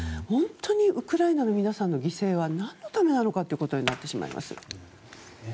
本当にウクライナの皆さんの犠牲は何のためなのかとなってしまいます。